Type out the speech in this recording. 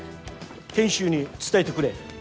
賢秀に伝えてくれ。